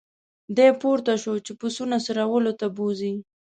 دی پورته شو چې پسونه څرولو ته بوزي.